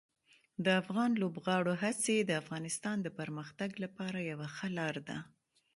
د افغان لوبغاړو هڅې د افغانستان د پرمختګ لپاره یوه ښه لار ده.